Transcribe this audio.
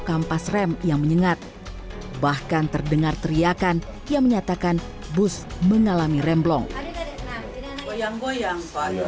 kampas rem yang menyengat bahkan terdengar teriakan yang menyatakan bus mengalami remblong goyang goyang